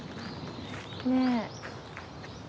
ねえ。